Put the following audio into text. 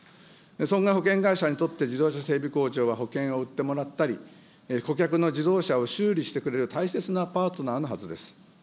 そんな保険会社にとって、自動車整備工場は保険を売ってもらったり、顧客の自動車を修理してくれる大切なパートナーのはずです。